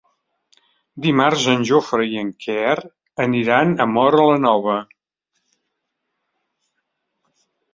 Dimarts en Jofre i en Quer aniran a Móra la Nova.